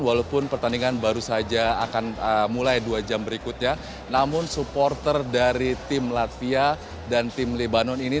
walaupun pertandingan baru saja akan mulai dua jam berikutnya namun supporter dari tim latvia dan tim lebanon ini